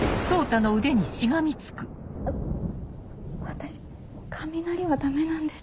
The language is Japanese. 私雷はダメなんです。